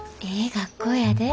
学校やで。